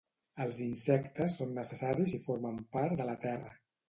Els insectes són necessaris i formen part de la Terra